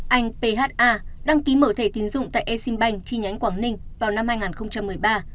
anh pha đăng ký mở thẻ tín dụng tại exim bank chi nhánh quảng ninh vào năm hai nghìn một mươi ba